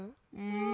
うん。